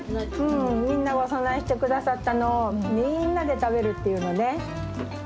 うんみんながお供えしてくださったのをみんなで食べるっていうのね。